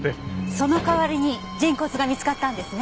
その代わりに人骨が見つかったんですね？